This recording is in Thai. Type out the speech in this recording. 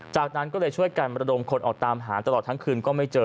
จากนั้นก็เลยช่วยกันประดมคนออกตามหาตลอดทั้งคืนก็ไม่เจอ